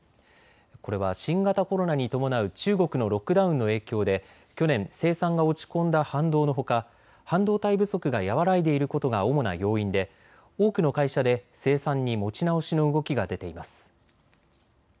これは新型コロナに伴う中国のロックダウンの影響で去年、生産が落ち込んだ反動のほか半導体不足が和らいでいることが主な要因で多くの会社で生産に持ち直しの動きが出ています。